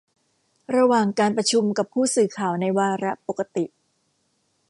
ระหว่างการประชุมกับผู้สื่อข่าวในวาระปกติ